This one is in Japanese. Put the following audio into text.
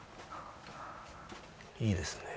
いいですね。